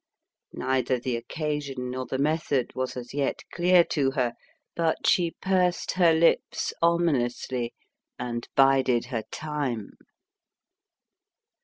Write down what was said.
Neither the occasion nor the method was as yet clear to her, but she pursed her lips ominously, and bided her time.